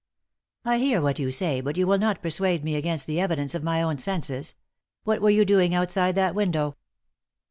"I hear what you say, but you will not persuade me against the evidence of my own senses. What were you doing outside that window